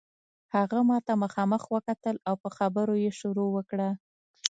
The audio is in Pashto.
هغه ماته مخامخ وکتل او په خبرو یې شروع وکړه.